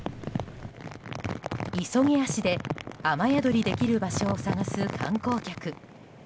急ぎ足で雨宿りできる場所を探す観光客。